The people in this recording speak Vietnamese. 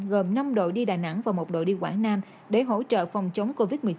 gồm năm đội đi đà nẵng và một đội đi quảng nam để hỗ trợ phòng chống covid một mươi chín